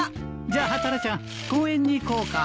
じゃタラちゃん公園に行こうか。